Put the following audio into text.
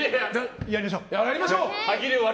やりましょう！